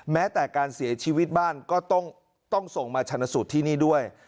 แม้แต่การเสียชีวิตบ้านก็ต้องส่งมาชนะสูตรที่นี่ด้วย